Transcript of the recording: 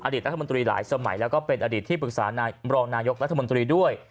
รัฐมนตรีหลายสมัยแล้วก็เป็นอดีตที่ปรึกษารองนายกรัฐมนตรีด้วย